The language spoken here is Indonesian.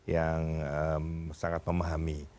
yang sangat memahami